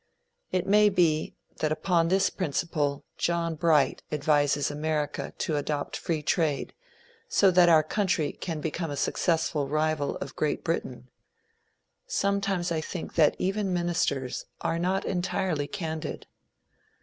It may be, that upon this principle John Bright advises America to adopt free trade, so that our country can become a successful rival of Great Britain. Sometimes I think that even ministers are not entirely candid.